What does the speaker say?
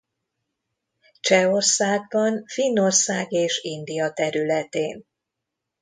Csehországban Finnország és India területén.